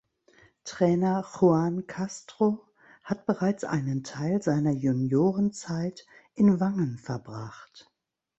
Trainer Juan Castro hat bereits einen Teil seiner Juniorenzeit in Wangen verbracht.